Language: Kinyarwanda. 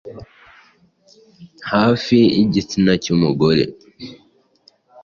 Hafi y’igitsina cy 'umugore